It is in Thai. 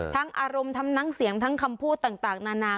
ทั้งอารมณ์ทำนังเสียงทั้งคำพูดต่างต่างนานา